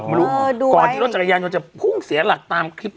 รถสวยหรือบอกเออดูไว้รถจักรยานมันจะพุ่งเสียหลักตามคลิปกล้อง